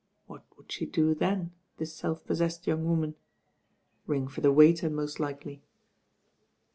What would she do then, this self possessed young woman? Ring for the waiter most likely.